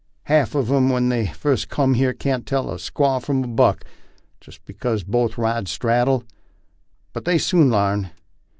Half uv 'em when they first cum here can't tell a squaw from a buck, just because both ride strad dle ; but they soon larn.